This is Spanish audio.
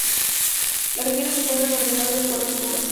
Las regiones se encuentran ordenadas de acuerdo a su población.